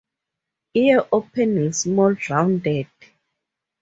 Ear-opening small, rounded.